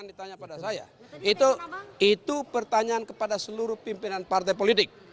itu pertanyaan kepada seluruh pimpinan partai politik